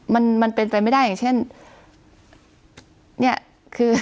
มันมันเป็นไปไม่ได้อย่างเช่นเนี่ยคือ